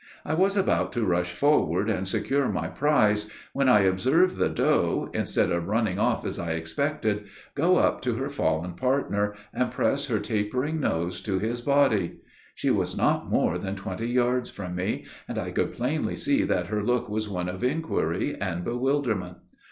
I was about to rush forward, and secure my prize, when I observed the doe, instead of running off as I expected, go up to her fallen partner, and press her tapering nose to his body. She was not more than twenty yards from me, and I could plainly see that her look was one of inquiry and bewilderment.